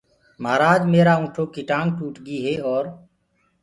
مهآرآج ميرآ اُنٚٺوڪي ٽآنٚگ ٽوٽگي اورَ